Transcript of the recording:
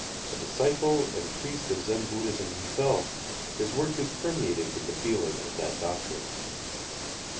A disciple and priest of Zen Buddhism himself, his work is permeated with the feeling of that doctrine.